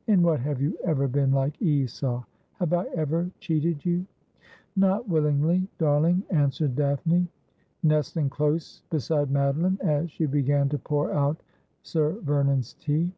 ' In what have you ever been like Esau ? Have I ever cheated you ?' 'Not willingly, darling,' answered Daphne, nestling close beside Madeline as she began to pour out Sir Vernon's tea.